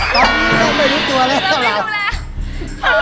โดนรู้ไม่รู้ตัว